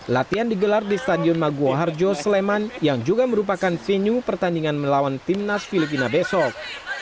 latihan digelar di stadion maguwo harjo sleman yang juga merupakan venue pertandingan melawan timnas filipina besok